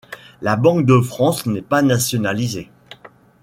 La Banque de France n'est pas nationalisée.